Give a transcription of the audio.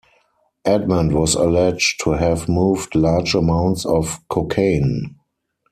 Edmond was alleged to have moved large amounts of cocaine.